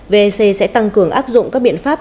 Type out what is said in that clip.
vec sẽ tăng cường áp dụng các biện pháp